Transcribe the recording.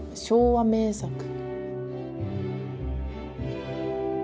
「昭和名作」。